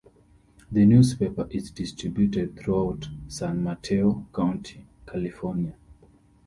The newspaper is distributed throughout San Mateo County, California.